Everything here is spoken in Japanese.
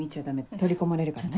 取り込まれるからね。